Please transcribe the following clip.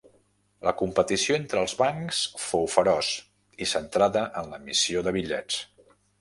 La competició entre els bancs, fou feroç, i centrada en l'emissió de bitllets.